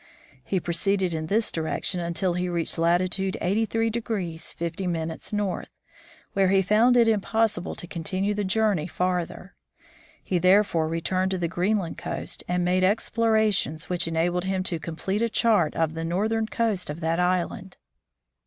He proceeded in this direction until he reached latitude 83 50' north, where he found it impossible to continue the journey farther. He therefore returned to the Greenland coast, and made explorations which enabled him to complete a chart of the northern coast of that island.